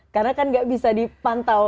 karena kan gak bisa dipantau